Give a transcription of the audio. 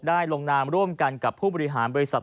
ลงนามร่วมกันกับผู้บริหารบริษัท